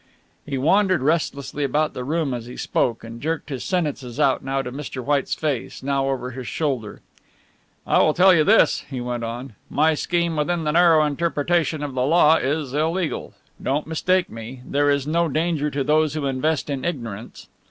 He wandered restlessly about the room as he spoke, and jerked his sentences out now to Mr. White's face, now over his shoulder. "I will tell you this," he went on, "my scheme within the narrow interpretation of the law is illegal don't mistake me, there is no danger to those who invest in ignorance.